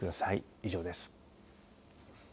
以上です。